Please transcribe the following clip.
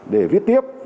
để viết tiếp